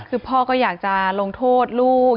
คือพ่อก็อยากจะลงโทษลูก